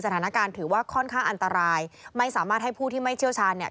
สถานการณ์ถือว่าค่อนข้างอันตรายไม่สามารถให้ผู้ที่ไม่เชี่ยวชาญเนี่ย